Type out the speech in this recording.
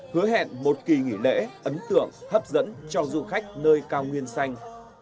hứa hẹn một kỳ nghỉ lễ ấn tượng hấp dẫn cho du khách nơi cao nguyên xanh